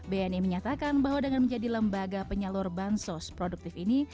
bni menyatakan bahwa dengan menjadi lembaga penyalur bansos produktif ini